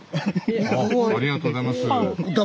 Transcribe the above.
ありがとうございます。